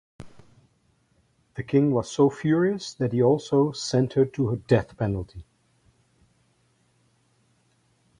The king was so furious that he also sent her to death penalty.